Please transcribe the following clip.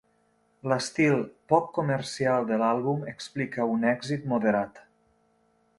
L'estil poc comercial de l'àlbum explica un èxit moderat.